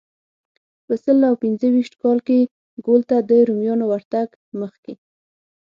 په سل او پنځه ویشت کال کې ګول ته د رومیانو ورتګ مخکې.